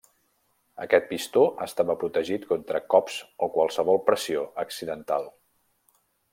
Aquest pistó estava protegit contra cops o qualsevol pressió accidental.